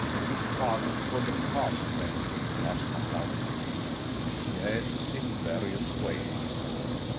"You cater for the castle then?" asked MacLeod frigidly. "Yes, in various ways."